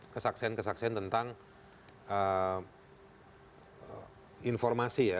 kesaksian kesaksian tentang informasi ya